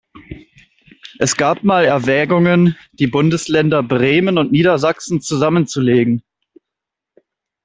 Es gab mal Erwägungen, die Bundesländer Bremen und Niedersachsen zusammenzulegen.